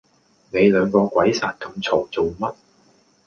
你兩個鬼殺咁嘈做乜